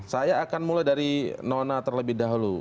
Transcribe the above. saya akan mulai dari nona terlebih dahulu